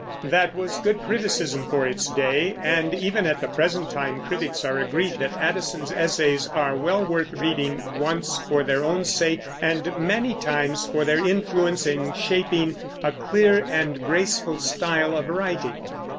That was good criticism for its day, and even at the present time critics are agreed that Addison's Essays are well worth reading once for their own sake, and many times for their influence in shaping a clear and graceful style of writing.